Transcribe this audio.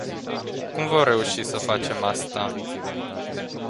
Cum vom reuși să facem asta?